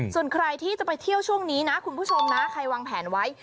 ส่วนใครที่จะไปเที่ยวช่วงนี้นะคุณผู้ชมนะใครวางแผนไว้